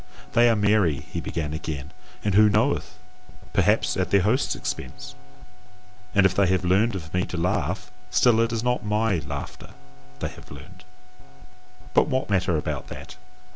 "They are merry," he began again, "and who knoweth? perhaps at their host's expense; and if they have learned of me to laugh, still it is not MY laughter they have learned. But what matter about that!